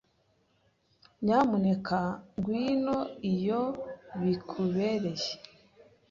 Nyamuneka ngwino iyo bikubereye.